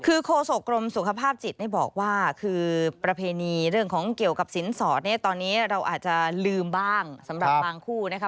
คือโคศกรมสุขภาพจิตนี่บอกว่าคือประเพณีเรื่องของเกี่ยวกับสินสอดเนี่ยตอนนี้เราอาจจะลืมบ้างสำหรับบางคู่นะคะ